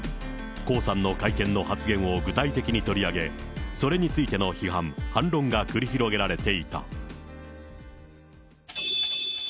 江さんの会見の発言を具体的に取り上げ、それについての批判、反論が繰り広げられていた。